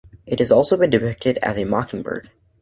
It has also been depicted as a mockingbird.